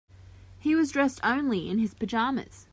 He was dressed only in his pajamas.